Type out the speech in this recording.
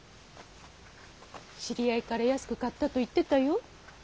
知り合いから安く買ったと言ってたよ。